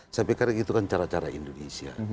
saya pikir itu kan cara cara indonesia